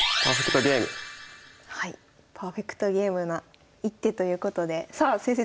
パーフェクトゲームな一手ということでさあ先生